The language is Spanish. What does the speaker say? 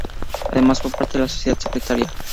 Además, fue parte de la sociedad secreta St.